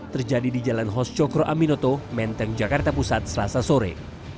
terjadi di jalan hos cokro aminoto menteng jakarta pusat selasa sore